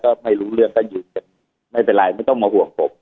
ก็ไม่รู้เรื่องก็อยู่กันไม่เป็นไรไม่ต้องมาห่วงผม